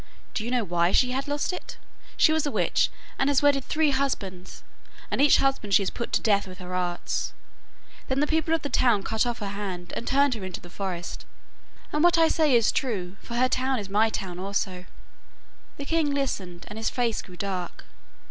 Do you know why she had lost it? She was a witch, and has wedded three husbands, and each husband she has put to death with her arts. Then the people of the town cut off her hand, and turned her into the forest. And what I say is true, for her town is my town also.' The king listened, and his face grew dark.